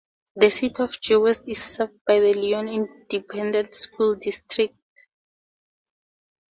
The City of Jewett is served by the Leon Independent School District.